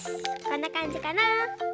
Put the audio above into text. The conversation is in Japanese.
こんなかんじかな。